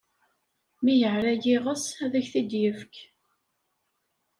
Mi yeɛra yiɣes, ad ak-t-id-yefk.